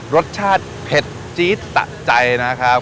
รสชาติเผ็ดจี๊ดตะใจนะครับ